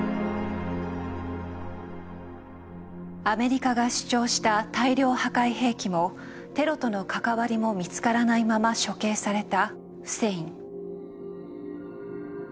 アメリカが主張した大量破壊兵器もテロとの関わりも見つからないまま処刑されたフセイン。